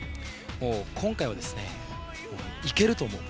今回は、僕はいけると思う。